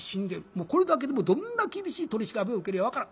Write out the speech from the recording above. もうこれだけでもどんな厳しい取り調べを受けるや分からん。